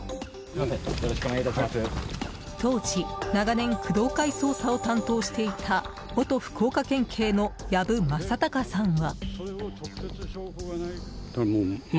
当時、長年工藤会捜査を担当していた元福岡県警の藪正孝さんは。